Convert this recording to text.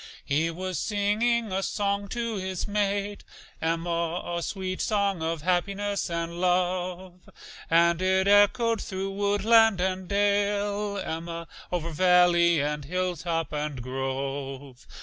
He was singing a song to his mate, Emma, A sweet song of happiness and love, And it echoed thro' woodland and dale, Emma, Over valley and hilltop and grove.